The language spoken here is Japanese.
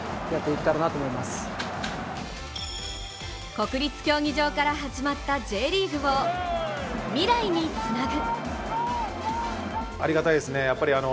国立競技場から始まったＪリーグを未来につなぐ。